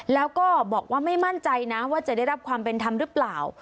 แล้วก็บอกว่าไม่มั่นใจนะว่าจะได้รับความเป็นธรรมหรือเปล่า